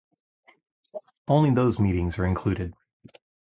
Only those meeting are included.